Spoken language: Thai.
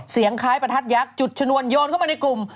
เสียงคล้ายประทัดยักษ์จุดชนวนโยนเข้ามาในกลุ่ม